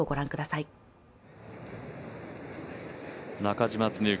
中嶋常幸